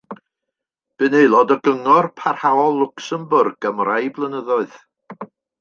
Bu'n aelod o Gyngor Parhaol Lwcsembwrg am rai blynyddoedd.